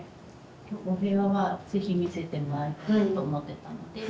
お部屋は是非見せてもらいたいと思ってたので。